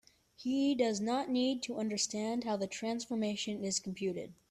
He does not need to understand how the transformation is computed.